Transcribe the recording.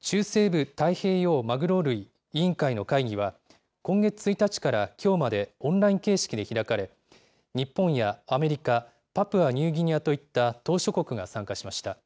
中西部太平洋まぐろ類委員会の会議は、今月１日からきょうまで、オンライン形式で開かれ、日本やアメリカ、パプアニューギニアといった島しょ国が参加しました。